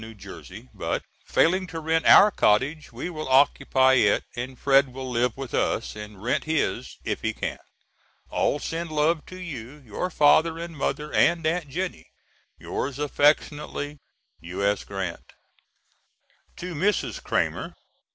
J. But failing to rent our cottage we will occupy it and Fred will live with us and rent his if he can. All send love to you, your father and mother and Aunt Jennie. Yours affectionately, U.S. GRANT. [To Mrs. Cramer.